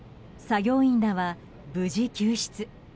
作業員らは無事救出。